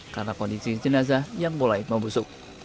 karena kondisi jenazah yang mulai membusuk